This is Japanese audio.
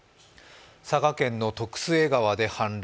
佐賀県の徳須恵川で氾濫。